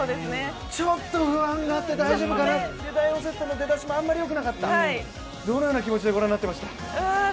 ちょっと不安があって大丈夫かなって第４セットの出だしもあんまりよくなかった、どのような気持ちでご覧になってました？